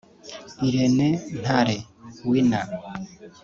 Irene Ntale (Winner)